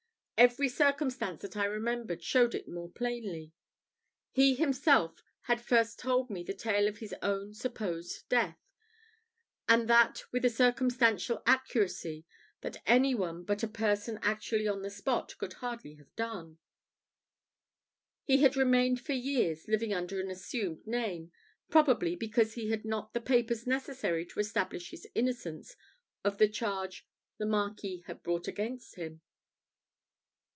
Every circumstance that I remembered showed it more plainly. He himself had first told me the tale of his own supposed death, and that with a circumstantial accuracy that any one but a person actually on the spot could hardly have done. He had remained for years living under an assumed name, probably because he had not the papers necessary to establish his innocence of the charge the Marquis had brought against him.